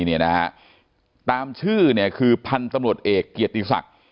ปำชื่อคือพันธ์ตำรวจเอกกี่ยติศักดิ์